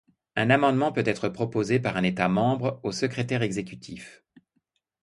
Un amendement peut être proposé par un État membre au Secrétaire exécutif.